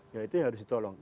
ya itu harus ditolong